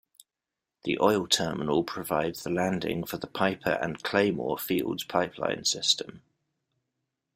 The oil terminal provides the landing for the Piper and Claymore fields pipeline system.